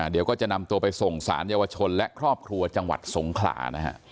เดี๋ยวก็จะนำตัวไปส่งสารเยาวชนและครอบครัวจังหวัดสงขลานะฮะ